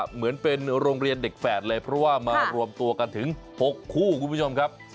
เหมือนเป็นโรงเรียนเด็กแฝดเลยเพราะว่ามารวมตัวกันถึง๖คู่คุณผู้ชมครับ